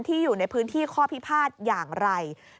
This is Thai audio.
อยู่ในพื้นที่ข้อพิพาทอย่างไร